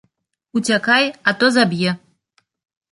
Уцякай, а то заб'е!